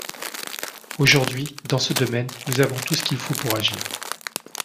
Aujourd’hui, dans ce domaine, nous avons tout ce qu’il faut pour agir.